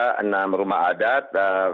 tersisa enam rumah adat